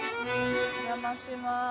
お邪魔します。